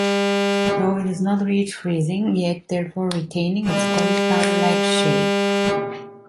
Though it has not reached freezing yet therefore retaining its cauliflower like shape.